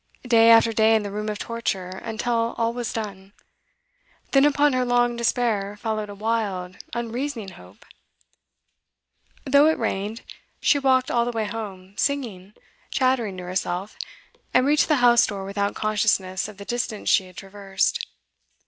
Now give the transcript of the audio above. Day after day in the room of torture, until all was done. Then upon her long despair followed a wild, unreasoning hope. Though it rained, she walked all the way home, singing, chattering to herself, and reached the house door without consciousness of the distance she had traversed.